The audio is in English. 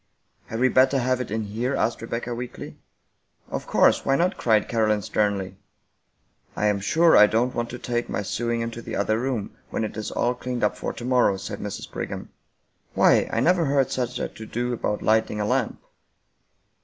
" Had we better have it in here ?" asked Rebecca weakly. " Of course ! Why not ?" cried Caroline sternly. " I am sure I don't want to take my sewing into the other room, when it is all cleaned up for to morrow," said Mrs. Brigham. " Whv, I never heard such a to do about lighting a lamp."